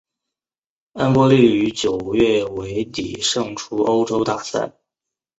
恩波利于九月尾底胜出欧洲大赛。